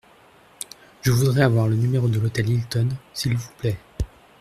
Je voudrais avoir le numéro de l’hôtel Hilton, s’il vous plait.